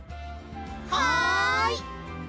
はい！